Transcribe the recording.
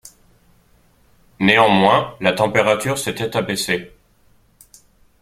Néanmoins la température s’était abaissée.